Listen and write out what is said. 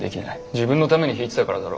自分のために弾いてたからだろ。